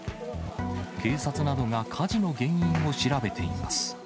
警察などが火事の原因を調べています。